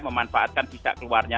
memanfaatkan bisa keluarnya